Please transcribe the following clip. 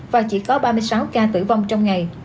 và chỉ có ba mươi sáu ca tử vong trong ngày